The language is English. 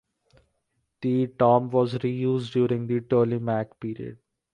The tomb was reused during the Ptolemaic Period.